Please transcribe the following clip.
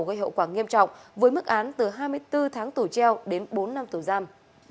gây hậu quả nghiêm trọng với mức án từ hai mươi bốn tháng tù treo đến bốn năm tù giam